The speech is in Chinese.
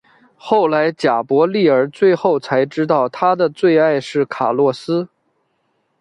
后来贾柏莉儿最后才知道她的最爱是卡洛斯。